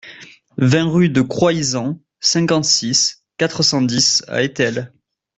vingt rue de Croix Izan, cinquante-six, quatre cent dix à Étel